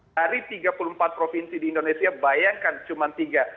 dari tiga puluh empat provinsi di indonesia bayangkan cuma tiga